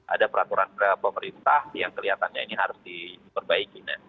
ada peraturan beberapa perintah yang kelihatannya ini harus diperbaikin ya